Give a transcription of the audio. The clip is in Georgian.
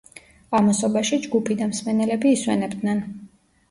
ამასობაში ჯგუფი და მსმენელები ისვენებდნენ.